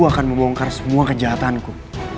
aku akan membongkar semua kejahatanku